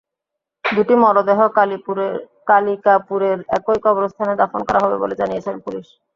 দুটি মরদেহ কালিকাপুরের একই কবরস্থানে দাফন করা হবে বলে জানিয়েছে পুলিশ।